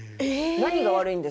何が悪いんですか？